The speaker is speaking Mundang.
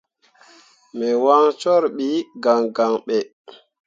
Me wancor ɓi gangan ɓe.